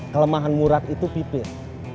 kelemahan murad itu pipit